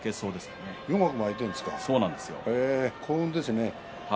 幸運ですね。